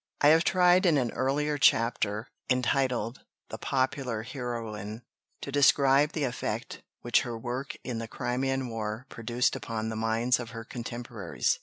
I have tried in an earlier chapter, entitled "The Popular Heroine," to describe the effect which her work in the Crimean War produced upon the minds of her contemporaries.